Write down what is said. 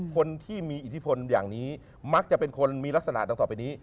คนที่มีอิทธิพลอย่างนี้มักจะเป็นคนมีลักษณะดังต่อไปนี้